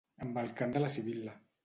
amb el cant de la Sibil·la